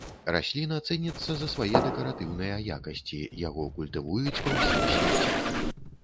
Расліна цэніцца за свае дэкаратыўныя якасці, яго культывуюць па ўсім свеце.